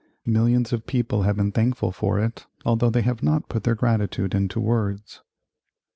Millions of people have been thankful for it, although they have not put their gratitude into words.